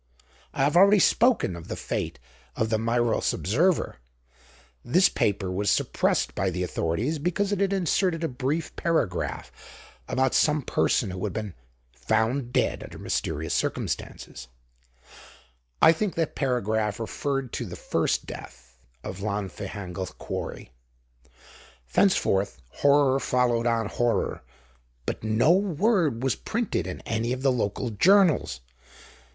I have already spoken of the fate of the Meiros Observer. This paper was suppressed by the authorities because it had inserted a brief paragraph about some person who had been "found dead under mysterious circumstances"; I think that paragraph referred to the first death of Llanfihangel quarry. Thenceforth, horror followed on horror, but no word was printed in any of the local journals.